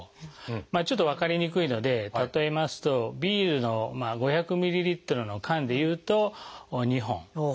ちょっと分かりにくいので例えますとビールの５００ｍＬの缶でいうと２本。